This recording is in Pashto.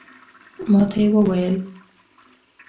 ماته یې وویل